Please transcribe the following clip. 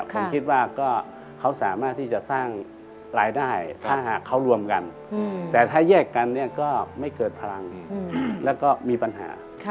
ผมคิดว่าก็เขาสามารถที่จะสร้างรายได้ถ้าหากเขารวมกันแต่ถ้าแยกกันเนี่ยก็ไม่เกิดพลังแล้วก็มีปัญหา